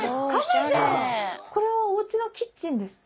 これはおうちのキッチンですか？